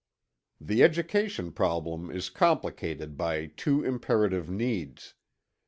The education problem is complicated by two imperative needs.